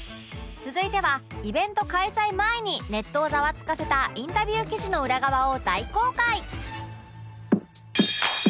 続いてはイベント開催前にネットをざわつかせたインタビュー記事の裏側を大公開！